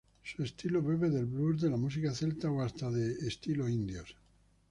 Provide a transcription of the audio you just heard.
Su estilo bebe del Blues, de la música celta o hasta de estilo indios.